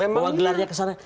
memang gelarnya kesana